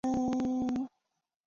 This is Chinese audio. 早期拉力赛常穿越阿尔及利亚。